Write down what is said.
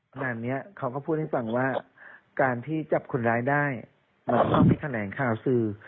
งานนี้เขาก็พูดให้ฟังว่าการที่จับคนร้ายได้มันก็มีแถลงข่าวสื่อ